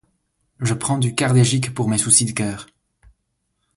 je prends du Kardegic pour mes soucis de cœur.